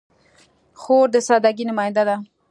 خور د سادګۍ نماینده ده.